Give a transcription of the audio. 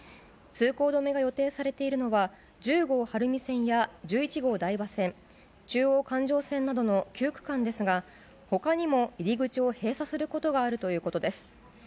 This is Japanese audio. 通行止めが予定されているのは、１０号晴海線や、１１号台場線、中央環状線などの９区間ですが、ほかにも入り口を閉鎖することがあるということです。